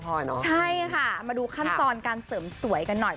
ใช่ค่ะมาดูขั้นตอนการเสริมสวยกันหน่อย